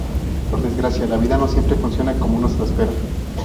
Por desgracia, la vida no siempre funciona como uno se lo espera.